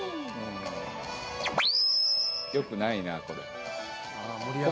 よくないなこれ。